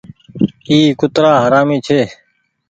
اي ڪُترآ حرامي ڇي